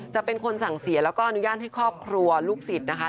จะเป็นคนสั่งเสียแล้วก็อนุญาตให้ครอบครัวลูกศิษย์นะคะ